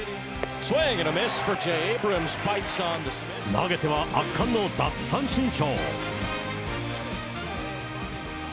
投げては圧巻の奪三振ショー。